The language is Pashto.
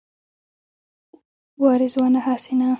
وا رضوانه هسې نه.